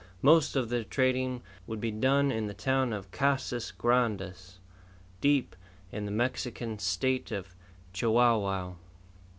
Most of their trading would be done in the town of Casas Grandes, deep in the Mexican state of Chihuahua.